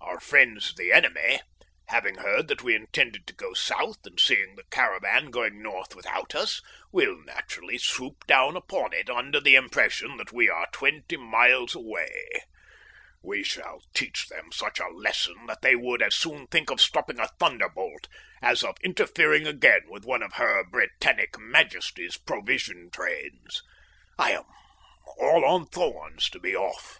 Our friends the enemy, having heard that we intended to go south, and seeing the caravan going north without us, will naturally swoop down upon it under the impression that we are twenty miles away. We shall teach them such a lesson that they would as soon think of stopping a thunderbolt as of interfering again with one of Her Britannic Majesty's provision trains. I am all on thorns to be off.